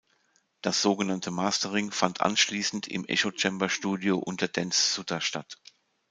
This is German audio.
Das sogenannte Mastering fand anschliessend im Echochamber-Studio unter Dan Suter statt.